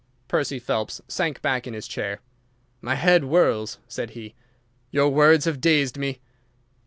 Percy Phelps sank back in his chair. "My head whirls," said he. "Your words have dazed me."